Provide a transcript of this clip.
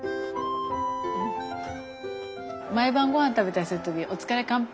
毎晩ごはん食べたりする時「お疲れ乾杯」。